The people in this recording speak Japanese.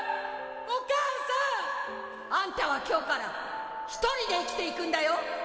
お母さん！あんたは今日から一人で生きていくんだよ。